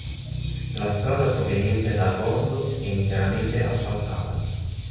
La strada proveniente da Agordo è interamente asfaltata.